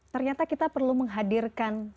ternyata kita perlu menghadirkan